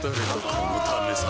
このためさ